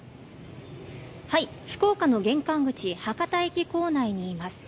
福岡の玄関口博多駅構内にいます。